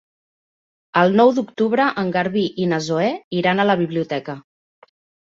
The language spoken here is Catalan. El nou d'octubre en Garbí i na Zoè iran a la biblioteca.